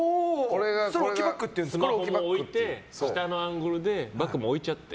スマホを置いて下のアングルでバッグを置いちゃって。